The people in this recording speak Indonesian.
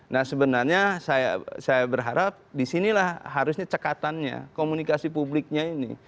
nah sebenarnya saya berharap disinilah harusnya cekatannya komunikasi publiknya ini